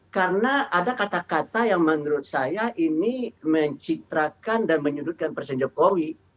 karena ada kata kata yang menurut saya ini mencitrakan dan menyudutkan presiden jokowi